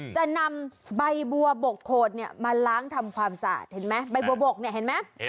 จะนำใบบัวบกโขดเนี่ยมาล้างทำความสะอาดเห็นไหมใบบัวบกเนี่ยเห็นไหม